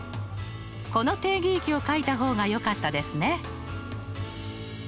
この定義域をかいた方がよかったですね。